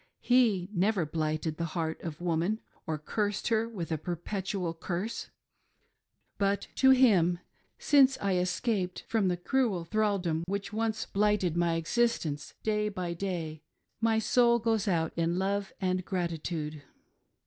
He never blighted the heart of woman, or cursed her with a perpetual curse ; but to Him, since I escaped from the cruel thraldom which once blighted my existence, day by day my 392 THE "lord" of WHOM THET SPEAK. soul goes out in love and gratitude.